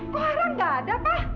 kok ara gak ada pak